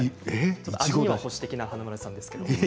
味には保守的な華丸さんですけど。